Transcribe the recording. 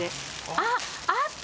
あっあった！